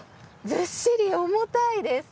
ずっしり重たいです。